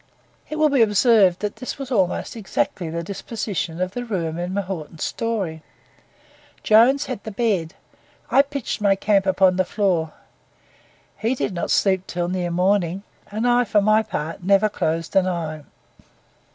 It will be observed that this was almost exactly the disposition of the room in M'Naughten's story. Jones had the bed; I pitched my camp upon the floor; he did not sleep until near morning, and I, for my part, never closed an eye.